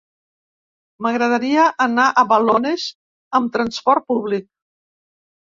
M'agradaria anar a Balones amb transport públic.